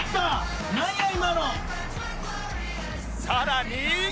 さらに